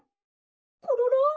「コロロ！